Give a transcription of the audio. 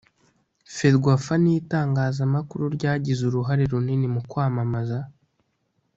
Ferwafa n’itangazamakuru ryagize uruhare runini mu kwamamaza